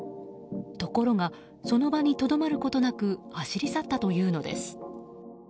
ところがその場にとどまることなく走り去ったというのです。